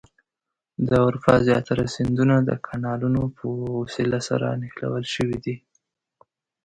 د اروپا زیاتره سیندونه د کانالونو په وسیله سره نښلول شوي دي.